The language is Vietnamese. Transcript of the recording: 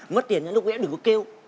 mất tiền nó cũng sẽ đừng có kêu